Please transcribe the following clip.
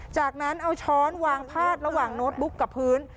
จากนั้นเอาช้อนวางพาดระหว่างโน้ตบุ๊กกับพื้น